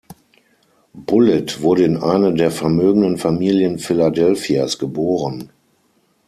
Bullitt wurde in eine der vermögenden Familien Philadelphias geboren.